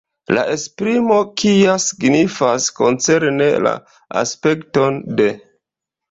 La esprimo “kia” signifas "koncerne la aspekton de".